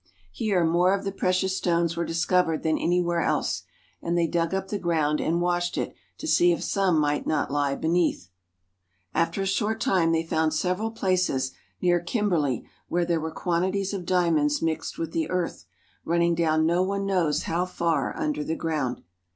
Here more of the precious stones were discovered than anywhere else, and they dug up the ground and washed it to see if some might not lie beneath. After a short time they found several places near Kim berley where there were quantities of diamonds mixed with the earth, running down no one knows how far under the ground.